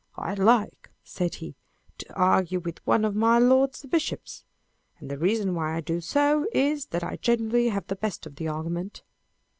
" I like," said he, "to argue with one of my lords the bishops ; and the reason why I do so is, that I generally have the best of the argument."